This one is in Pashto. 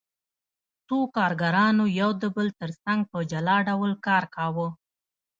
څو کارګرانو یو د بل ترڅنګ په جلا ډول کار کاوه